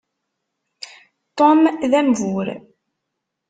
Tom d ambur.